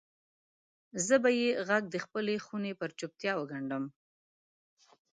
زه به یې ږغ دخپلې خونې پر چوپتیا وګنډم